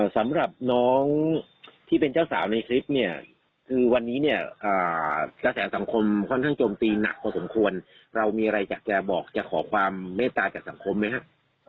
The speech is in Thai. สำหรับน้องที่เป็นเจ้าสาวในคลิปเนี่ยคือวันนี้เนี่ยกระแสสังคมค่อนข้างโจมตีหนักพอสมควรเรามีอะไรอยากจะบอกจะขอความเมตตาจากสังคมไหมครับ